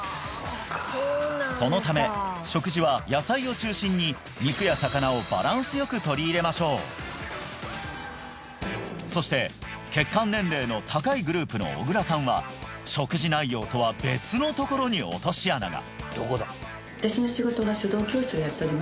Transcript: そのため食事は野菜を中心に肉や魚をバランスよく取り入れましょうそして血管年齢の高いグループの小倉さんは食事内容とは別のところに落とし穴が！